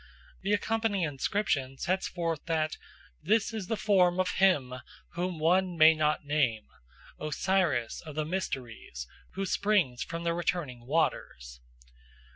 The accompanying inscription sets forth that "this is the form of him whom one may not name, Osiris of the mysteries, who springs from the returning waters."